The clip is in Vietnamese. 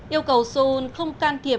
yêu cầu seoul không can thiệp